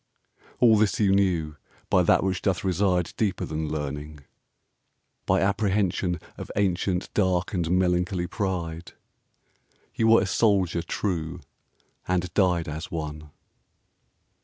All this you knew by that which doth reside Deeper than learning; by apprehension Of ancient, dark, and melancholy pride You were a Soldier true, and died as one.